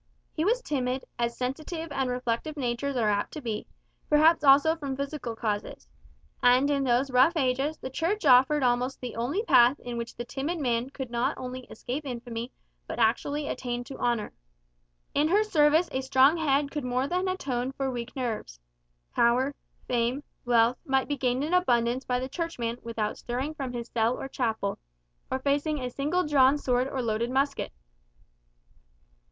He was timid, as sensitive and reflective natures are apt to be, perhaps also from physical causes. And in those rough ages, the Church offered almost the only path in which the timid man could not only escape infamy, but actually attain to honour. In her service a strong head could more than atone for weak nerves. Power, fame, wealth, might be gained in abundance by the Churchman without stirring from his cell or chapel, or facing a single drawn sword or loaded musket.